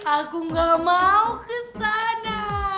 aku gak mau ke sana